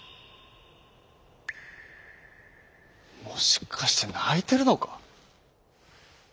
「もしかしてないてるのか？」。